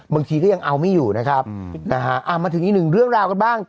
บางทีก็ยังเอาไม่อยู่นะครับนะฮะมาถึงอีกหนึ่งเรื่องราวกันบ้าง